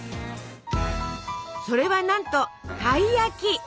それはなんとたい焼き！